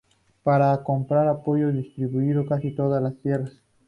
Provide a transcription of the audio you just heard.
Para comprar apoyos, distribuyó casi todas sus tierras.